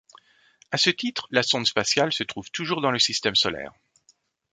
À ce titre, la sonde spatiale se trouve toujours dans le Système solaire.